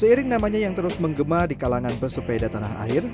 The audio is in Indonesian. seiring namanya yang terus menggema di kalangan pesepeda tanah air